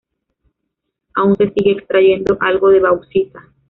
Aún se sigue extrayendo algo de bauxita.